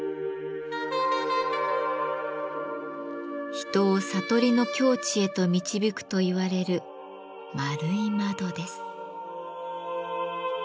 人を悟りの境地へと導くといわれる円い窓です。